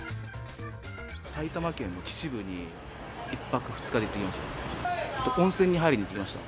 埼玉県の秩父に１泊２日で行きました。